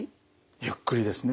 ゆっくりですね。